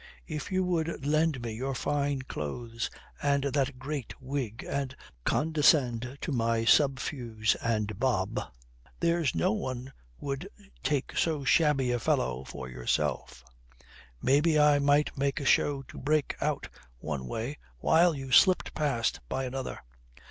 If you would lend me your fine clothes and that great wig, and condescend to my subfuse and bob, there's no one would take so shabby a fellow for yourself. Maybe I might make a show to break out one way, while you slipped past by another."